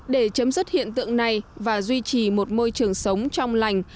để chấm dứt hiện tượng này và duy trì một môi trường sống trong lành